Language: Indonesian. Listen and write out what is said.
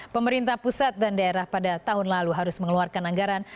pemerintah pusat dan daerah pada tahun lalu harus mengeluarkan anggaran